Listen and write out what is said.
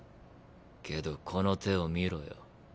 けどこの手を見ろよ。